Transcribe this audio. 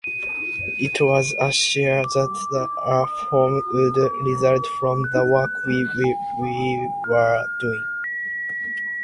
I was assured that a form would result from the work we were doing.